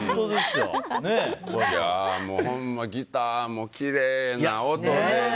ほんまギターもきれいな音でね。